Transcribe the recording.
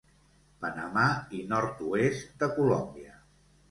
Panamà i nord-oest de Colòmbia.